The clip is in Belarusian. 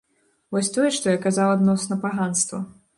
Вось тое, што я казаў адносна паганства.